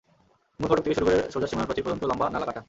মূল ফটক থেকে শুরু করে সোজা সীমানাপ্রাচীর পর্যন্ত লম্বা নালা কাটা।